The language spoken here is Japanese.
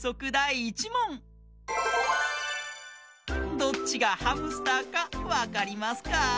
どっちがハムスターかわかりますか？